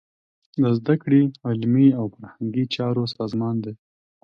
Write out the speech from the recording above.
د زده کړې، علمي او فرهنګي چارو سازمان دی.